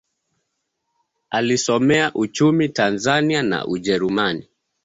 Alisomea uchumi Tanzania na Ujerumani.